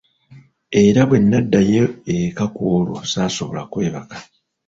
Era bwe naddayo eka kw'olwo saasobola kwebaka.